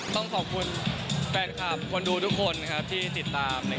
ต้องขอบคุณแฟนคลับคนดูทุกคนครับที่ติดตาม